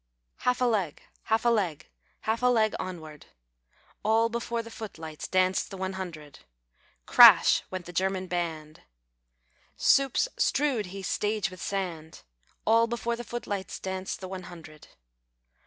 Half a leg, half a leg. Half a leg onward. All before the foot lights Danced the one hundred. Crash went the German band. SUpes strew'd he stage with sand ; All before the foot lights Danced the one hundred.